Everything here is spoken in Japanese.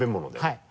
はい。